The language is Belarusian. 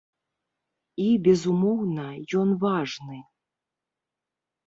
І, безумоўна, ён важны.